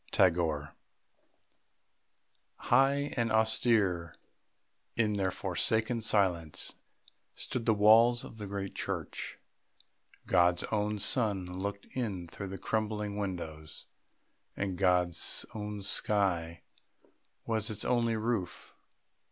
TAGORE. High and austere in their forsaken silence stood the walls of the great church God's own sun looked in through the crumbling windows, and God's own sky was its only roof.